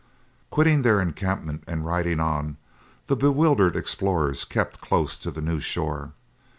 Quitting their encampment and riding on, the bewildered explorers kept close to the new shore.